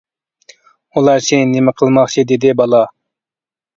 -ئۇلار سېنى نېمە قىلماقچى؟ -دېدى بالا.